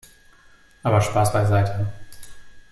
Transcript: Aber Spass beiseite.